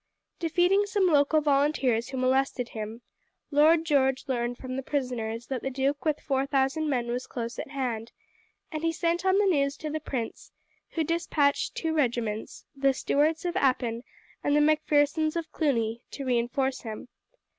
Defeating some local volunteers who molested him, Lord George learned from the prisoners that the duke with four thousand men was close at hand, and he sent on the news to the prince, who despatched two regiments, the Stuarts of Appin and the Macphersons of Cluny, to reinforce him.